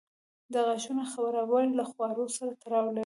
د غاښونو خرابوالی له خواړو سره تړاو لري.